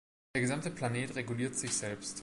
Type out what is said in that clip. Der gesamte Planet reguliert sich selbst.